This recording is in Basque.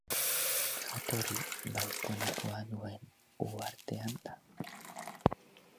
Jatorri bolkanikoa duen uhartean da.